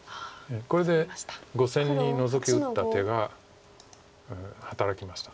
これで５線にノゾキ打った手が働きました。